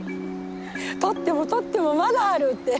採っても採ってもまだあるって！